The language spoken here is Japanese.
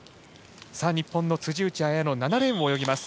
日本の辻内彩野７レーンを泳ぎます。